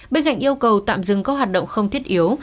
bên cạnh yêu cầu tạm dừng các hoạt động không thiết yếu